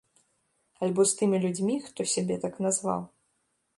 Альбо з тымі людзьмі, хто сябе так назваў.